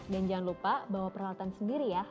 jangan lupa bawa peralatan sendiri ya